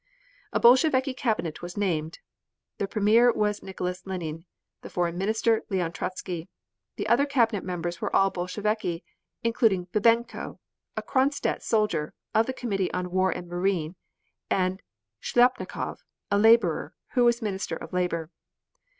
A Bolsheviki Cabinet was named. The Premier was Nicholas Lenine; the Foreign Minister, Leon Trotzky. The other Cabinet members were all Bolsheviki, including Bibenko, a Kronstadt sailor, of the Committee on War and Marine, and Shliapnikov, a laborer, who was Minister of Labor.